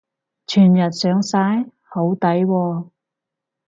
全日上晒？好抵喎